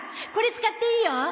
これ使っていいよ。